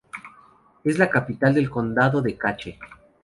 Es la capital del condado de Cache.